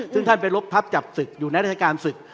ซึ่งท่านไปลบทับจับศึกอยู่ในราชการศึก